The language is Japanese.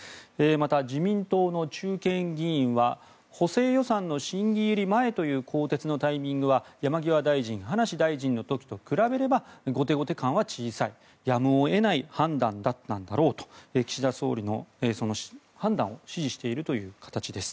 また、自民党の中堅議員は補正予算の審議入り前という更迭のタイミングは山際大臣葉梨大臣の時と比べれば後手後手感は小さいやむを得ない判断だったんだろうと岸田総理の判断を支持しているという形です。